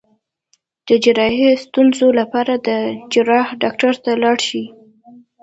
د جراحي ستونزو لپاره د جراح ډاکټر ته لاړ شئ